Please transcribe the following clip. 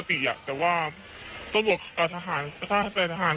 อธิบาย